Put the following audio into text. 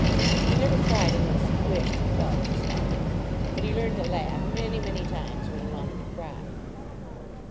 He never cried un less he wished, and felt just like it. But he learned to laugh, many, many times when he wanted to cry.